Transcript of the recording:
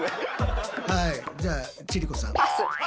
じゃあ千里子さん。